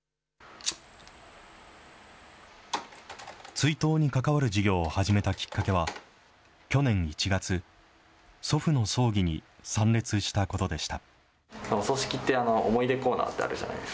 追悼に関わる事業を始めたきっかけは、去年１月、祖父の葬儀に参列したことでした。